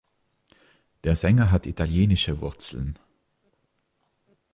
Der Sänger hat italienische Wurzeln.